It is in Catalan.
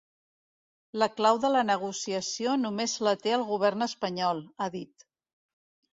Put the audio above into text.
La clau de la negociació només la té el govern espanyol, ha dit.